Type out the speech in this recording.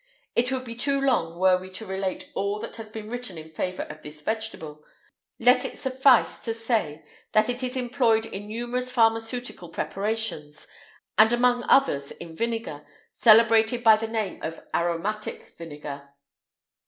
It would be too long were we to relate all that has been written in favour of this vegetable; let it suffice to say that it is employed in numerous pharmaceutical preparations, and among others in vinegar, celebrated by the name of aromatic vinegar."